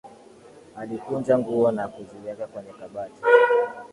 Alikunja nguo na kuziweka kwenye kabati